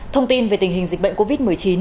thông tin về tình hình dịch bệnh covid một mươi chín